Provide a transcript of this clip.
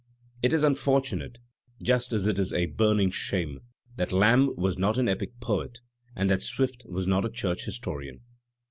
It is unfortunate; just as it is a burning shame that Lamb was not an epic poet and that Swift was not a church historian.